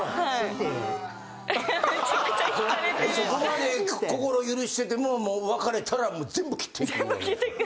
そこまで心許しててももう別れたら全部切っていく。